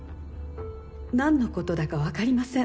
何のことだか分かりません。